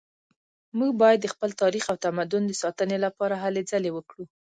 موږ باید د خپل تاریخ او تمدن د ساتنې لپاره هلې ځلې وکړو